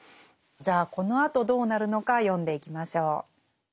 じゃあこのあとどうなるのか読んでいきましょう。